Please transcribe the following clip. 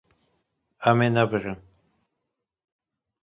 Em ê nebirin.